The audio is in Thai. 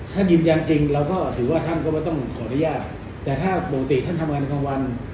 ถ้ายืนยันจริงเราก็ถือว่าท่านก็ไม่ต้องขออนุญาตแต่ถ้าปกติท่านทำงานกลางวัน